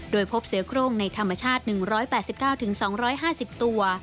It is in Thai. โดยพบเสือโครงในธรรมชาติ๑๘๙๒๕๐ตัว